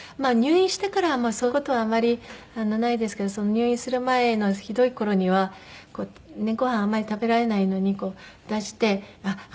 入院してからはそういう事はあんまりないですけど入院する前のひどい頃にはご飯あんまり食べられないのに出して。